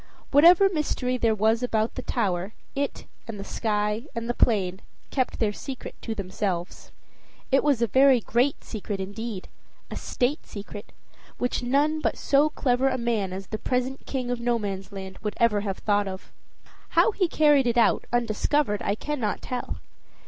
Whatever mystery there was about the tower, it and the sky and the plain kept their secret to themselves. It was a very great secret indeed, a state secret, which none but so clever a man as the present King of Nomansland would ever have thought of. How he carried it out, undiscovered, I cannot tell.